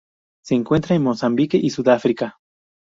Se encuentra en Mozambique y Sudáfrica.